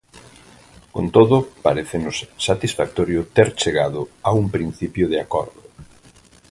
Con todo, parécenos satisfactorio ter chegado a un principio de acordo.